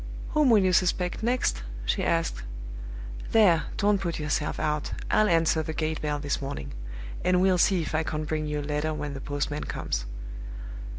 "Whom will you suspect next?" she asked. "There! don't put yourself out. I'll answer the gate bell this morning; and we'll see if I can't bring you a letter when the postman comes."